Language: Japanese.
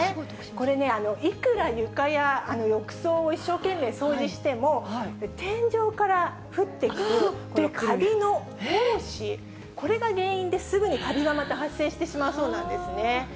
これね、いくら床や浴槽を一生懸命掃除しても、天井から降ってくるかびの胞子、これが原因ですぐにかびがまた発生してしまうそうなんですね。